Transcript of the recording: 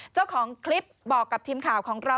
เจ้าของคลิปบอกกับทีมข่าวของเรา